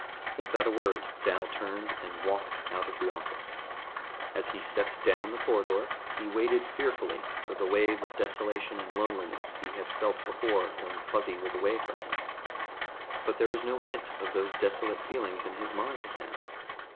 Without a word Dal turned and walked out of the office. As he stepped down the corridor, he waited fearfully for the wave of desolation and loneliness he had felt before when Fuzzy was away from him. But there was no hint of those desolate feelings in his mind now.